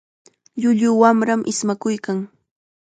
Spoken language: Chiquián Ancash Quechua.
Llullu wamram ismakuykan.